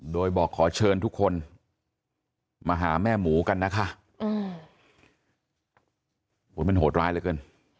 โดยบอกขอเชิญทุกคนมาหาแม่หมูกันนะคะโหมันโหดร้ายเหลือเกิน